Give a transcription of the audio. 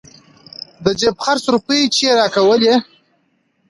د جيب خرڅ روپۍ چې يې راکولې.